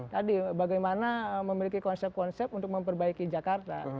tadi bagaimana memiliki konsep konsep untuk memperbaiki jakarta